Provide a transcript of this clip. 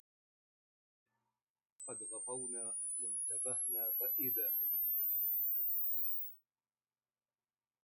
قد غفونا وانتبهنا فإذا